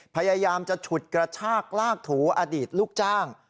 พยายามจะฉุดกระชากลากถูอดีตลูกจ้าง